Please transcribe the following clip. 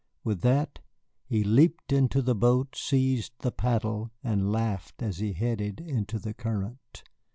With that he leaped into his boat, seized the paddle, and laughed as he headed into the current.